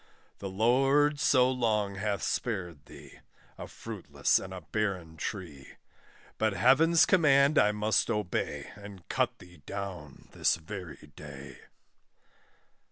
The Lord so long hath spared thee, A fruitless and a barren tree; But Heaven's command I must obey, And cut thee down this very day.